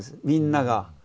みんなが。